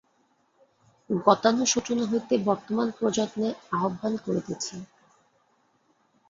গতানুশোচনা হইতে বর্তমান প্রযত্নে আহ্বান করিতেছি।